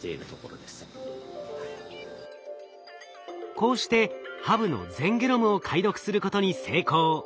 こうしてハブの全ゲノムを解読することに成功。